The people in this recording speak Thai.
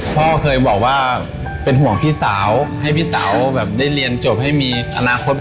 พ่อเคยบอกว่าเป็นห่วงพี่สาวให้พี่สาวแบบได้เรียนจบให้มีอนาคต